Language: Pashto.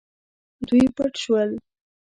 دوی پټ شول.